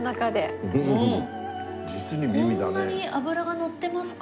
こんなに脂がのってますか？